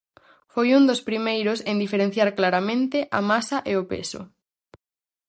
Foi un dos primeiros en diferenciar claramente a masa e o peso.